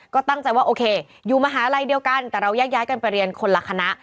ก็ตั้งใจว่าโอเคอยู่มหาลัยเดียวกันแต่เราแยกย้ายกันไปเรียนคนละคณะ